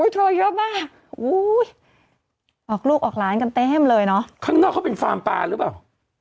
โชว์เยอะมากอุ้ยออกลูกออกร้านกันเต็มเลยเนอะข้างนอกเขาเป็นฟาร์มปลาหรือเปล่า